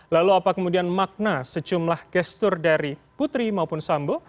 lalu apa kemudian makna sejumlah gestur dari putri maupun sambo